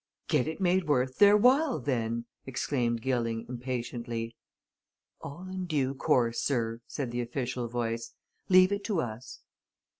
"Get it made worth their while, then!" exclaimed Gilling, impatiently. "All in due course, sir," said the official voice. "Leave it to us."